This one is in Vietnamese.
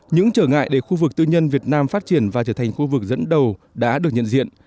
những trở ngại để khu vực tư nhân việt nam phát triển và trở thành khu vực dẫn đầu đã được nhận diện